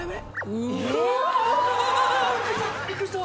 びっくりした。